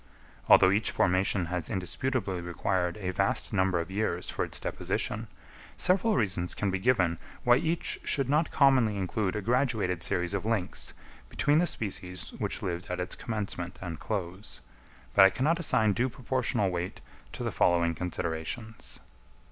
Although each formation has indisputably required a vast number of years for its deposition, several reasons can be given why each should not commonly include a graduated series of links between the species which lived at its commencement and close, but I cannot assign due proportional weight to the following considerations.